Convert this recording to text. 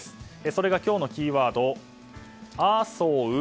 それが今日のキーワード、アソウ。